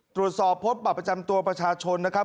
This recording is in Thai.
ตรวจสอบพบบัตรประจำตัวประชาชนนะครับ